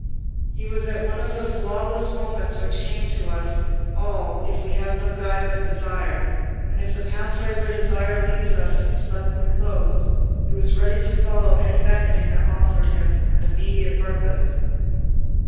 He was at one of those lawless moments which come to us all if we have no guide but desire, and if the pathway where desire leads us seems suddenly closed; he was ready to follow any beckoning that offered him an immediate purpose.